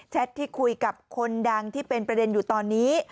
ที่คุยกับคนดังที่เป็นประเด็นอยู่ตอนนี้